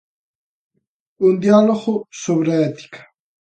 Un diálogo sobre a ética.